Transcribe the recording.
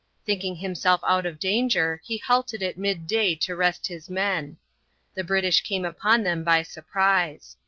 Thinking himself out of danger he halted at midday to rest his men. The British came upon them by surprise.